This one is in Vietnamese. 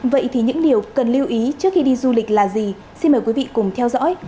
vậy thì những điều cần lưu ý trước khi đi du lịch là gì xin mời quý vị cùng theo dõi